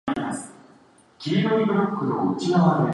お任せください、自信があります